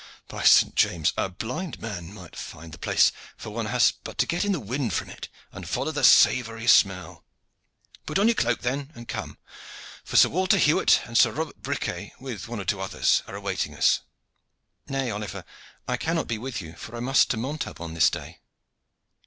By St. James! a blind man might find the place, for one has but to get in the wind from it, and follow the savory smell. Put on your cloak, then, and come, for Sir Walter Hewett and Sir Robert Briquet, with one or two others, are awaiting us." "Nay, Oliver, I cannot be with you, for I must to Montaubon this day."